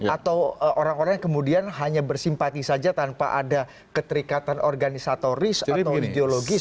atau orang orang yang kemudian hanya bersimpati saja tanpa ada keterikatan organisatoris atau ideologis